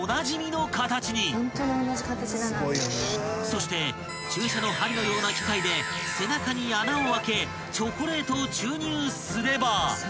［そして注射の針のような機械で背中に穴を開けチョコレートを注入すれば］